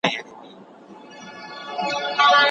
موږ باید د دې خاوري قدر وکړو.